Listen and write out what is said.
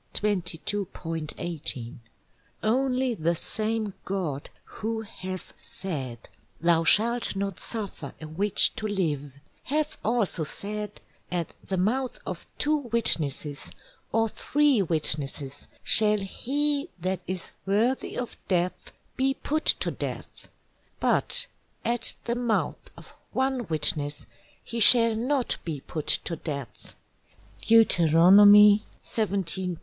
22.18.+ Only the same God who hath said, +thou shalt not suffer a Witch to live+; hath also said, +at the Mouth of two Witnesses, or three Witnesses shall he that is worthy of Death, be put to Death: But at the Mouth of one Witness, he shall not be put to Death+, +Deut. 17.6.